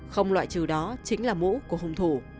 không loại trừ đó chính là mũ của hung thủ